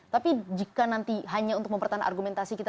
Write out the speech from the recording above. tapi jika nanti hanya untuk mempertahan argumentasi kita